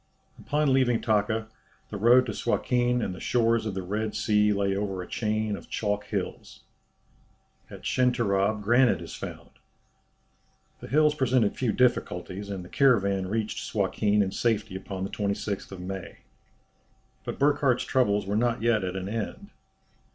Upon leaving Taka, the road to Suakin and the shores of the Red Sea lay over a chain of chalk hills. At Schenterab granite is found. The hills presented few difficulties, and the caravan reached Suakin in safety upon the 26th May. But Burckhardt's troubles were not yet at an end.